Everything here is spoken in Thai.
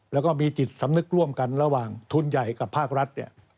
แล้วก็มีจิตสำนึกร่วมกันระหว่างทุนใหญ่กับภาครัฐ